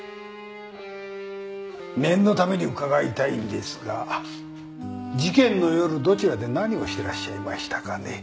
念のために伺いたいんですが事件の夜どちらで何をしてらっしゃいましたかね？